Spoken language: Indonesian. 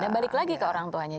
dan balik lagi ke orang tuanya